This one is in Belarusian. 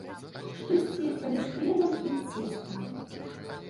Штосьці паміж хлебам і цестам.